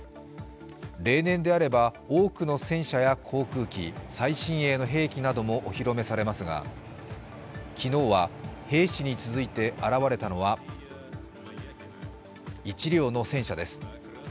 例年であれば多くの戦車や航空機、最新鋭の兵器などもお披露目されますが昨日は兵士に続いて現れたのは１両の戦車です。